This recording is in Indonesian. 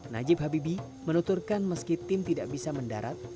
najib habibi menuturkan meski tim tidak bisa mendarat